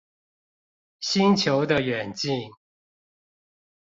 星球的遠近